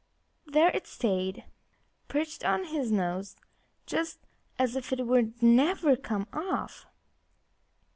There it stayed, perched on his nose just as if it would never come off.